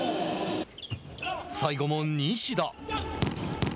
最後も西田。